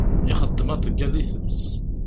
Ixeddem aḍeggal itett.